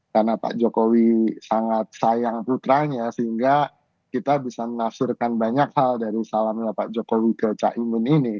karena pak jokowi sangat sayang putranya sehingga kita bisa mengasurkan banyak hal dari salamnya pak jokowi ke caimin ini